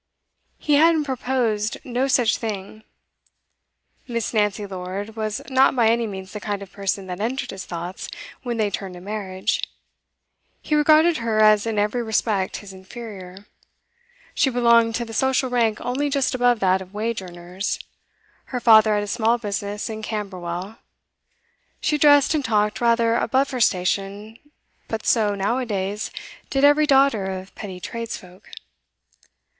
He had purposed no such thing. Miss. Nancy Lord was not by any means the kind of person that entered his thoughts when they turned to marriage. He regarded her as in every respect his inferior. She belonged to the social rank only just above that of wage earners; her father had a small business in Camberwell; she dressed and talked rather above her station, but so, now a days, did every daughter of petty tradesfolk.